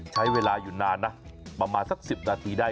ใช้เวลาอยู่นานนะประมาณสัก๑๐นาทีได้